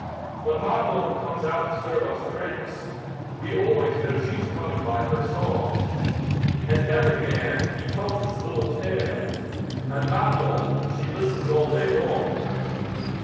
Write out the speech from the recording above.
When Madelon comes out to serve us drinks, We always know she's coming by her song! And every man, he tells his little tale, And Madelon, she listens all day long.